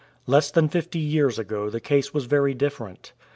Less than fifty years ago the case was very diiferent.